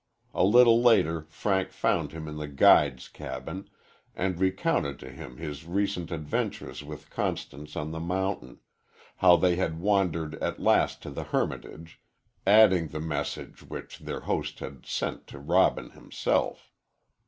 A little later Frank found him in the guide's cabin, and recounted to him his recent adventures with Constance on the mountain how they had wandered at last to the hermitage, adding the message which their host had sent to Robin himself.